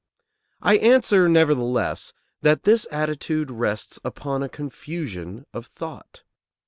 I answer, nevertheless, that this attitude rests upon a confusion of thought.